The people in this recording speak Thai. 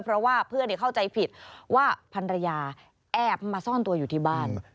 เพราะว่าเพื่อนเข้าใจผิดว่าพันรยาแอบมาซ่อนตัวอยู่ที่บ้าน